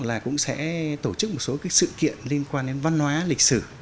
là cũng sẽ tổ chức một số cái sự kiện liên quan đến văn hóa lịch sử